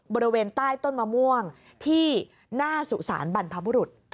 บริเวณใต้ต้นมะม่วงที่หน้าสุสานบรรพบุรุษ